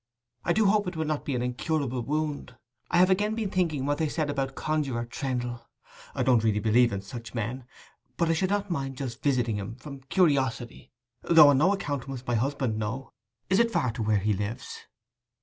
I do hope it will not be an incurable wound. I have again been thinking of what they said about Conjuror Trendle. I don't really believe in such men, but I should not mind just visiting him, from curiosity—though on no account must my husband know. Is it far to where he lives?